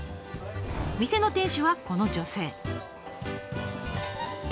店の店主はこの女性。